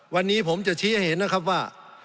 วันนี้ผมจะชี้ให้เห็นนะครับว่า